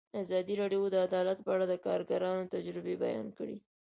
ازادي راډیو د عدالت په اړه د کارګرانو تجربې بیان کړي.